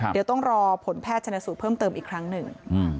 เดี๋ยวต้องรอผลแพทย์ชนสูตรเพิ่มเติมอีกครั้งหนึ่ง